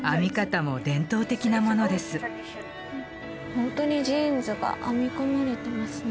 ほんとにジーンズが編み込まれてますね。